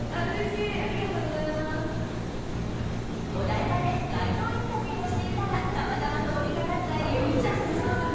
お台場で街頭インタビューをしていたらたまたま通りかかったゆうちゃみさん。